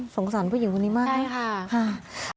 สงสัยผู้หญิงวันนี้มากนะครับฮ่าใช่ค่ะ